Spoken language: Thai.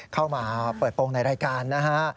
เข้ามาเปิดโปรงในรายการนะฮะ